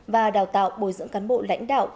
và đào tạo bồi dưỡng cán bộ lãnh đạo